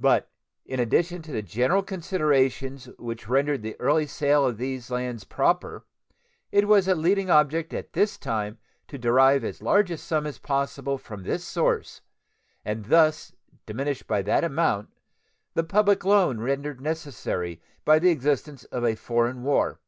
But in addition to the general considerations which rendered the early sale of these lands proper, it was a leading object at this time to derive as large a sum as possible from this source, and thus diminish by that amount the public loan rendered necessary by the existence of a foreign war.